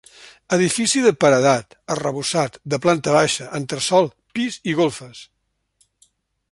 Edifici de paredat, arrebossat, de planta baixa, entresòl, pis i golfes.